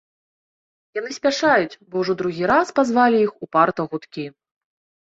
Яны спяшаюць, бо ўжо другі раз пазвалі іх упарта гудкі.